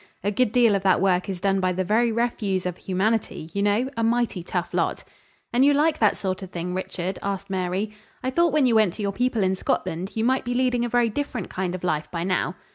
A good deal of that work is done by the very refuse of humanity, you know, a mighty tough lot." "And you like that sort of thing, Richard?" asked Mary. "I thought when you went to your people in Scotland, you might be leading a very different kind of life by now."